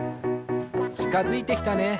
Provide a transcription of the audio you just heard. ちかづいてきたね。